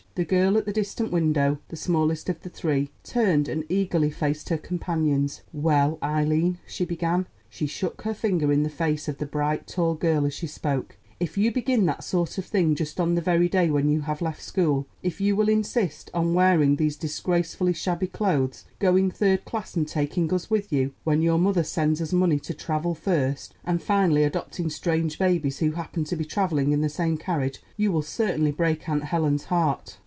The girl at the distant window, the smallest of the three, turned and eagerly faced her companions. "Well, Eileen," she began—she shook her finger in the face of the bright, tall girl as she spoke—"if you begin that sort of thing just on the very day when you have left school, if you will insist on wearing those disgracefully shabby clothes, going third class and taking us with you, when your mother sends us money to travel first, and finally adopting strange babies who happen to be traveling in the same carriage, you will certainly break Aunt Helen's heart."